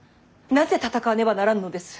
なぜ戦わねばならぬのです。